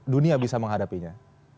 dunia bisa menghadapinya